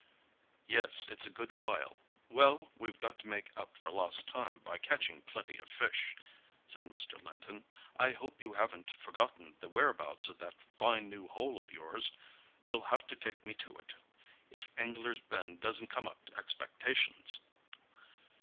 "Yes, it's a good while. Well, we've got to make up for lost time by catching plenty of fish," said Mr. Linton. "I hope you haven't forgotten the whereabouts of that fine new hole of yours? You'll have to take me to it if Anglers' Bend doesn't come up to expectations."